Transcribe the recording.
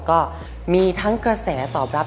ก็มีกระแสตอบรับ